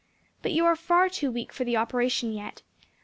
But you are far too weak for the operation yet.